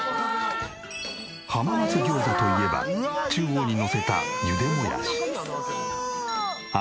浜松餃子といえば中央にのせた茹でもやし。